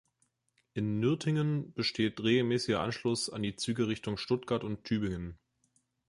In Nürtingen besteht regelmäßiger Anschluss an die Züge Richtung Stuttgart und Tübingen.